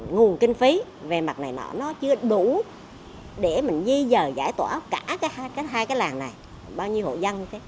nguồn kinh phí về mặt này nó chưa đủ để mình dây giờ giải tỏa cả hai cái làng này bao nhiêu hộ dân